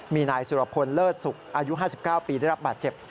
มีนายสุรพลเลิศสุขอายุ๕๙ปีได้รับบาดเจ็บ